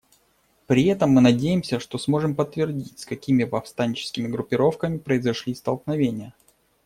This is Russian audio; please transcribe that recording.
При этом мы надеемся, что сможем подтвердить, с какими повстанческими группировками произошли столкновения.